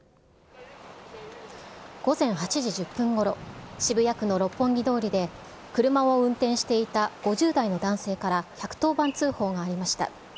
午前８時１０分ごろ、渋谷区の六本木通りで、車を運転していた５０代の男性から、１１０番通報がありました。